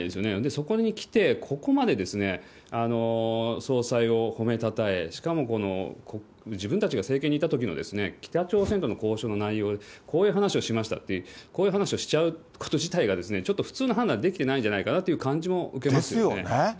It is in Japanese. そこに来て、ここまで総裁を褒めたたえ、しかも自分たちが政権にいたときの北朝鮮との交渉の内容、こういう話をしましたって、こういう話をしちゃうこと自体が、ちょっと普通の判断できてないんじゃないかなという感じも受けまですよね。